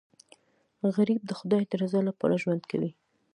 غریب د خدای د رضا لپاره ژوند کوي